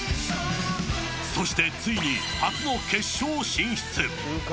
そしてついに初の決勝進出。